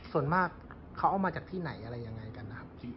ส่วนมากเขาเอามาจากที่ไหนอะไรยังไงกันนะครับ